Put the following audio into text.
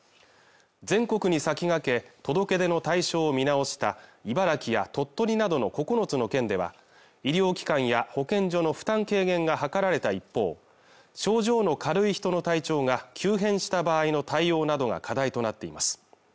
全国に先駆け届け出の対象を見直した茨城や鳥取などの９つの県では医療機関や保健所の負担軽減が図られた一方症状の軽い人の体調が急変した場合の対応などが課題となっています